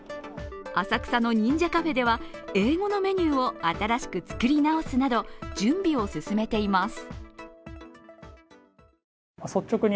浅草の忍者カフェでは英語のメニューを新しく作り直すなど準備を進めています。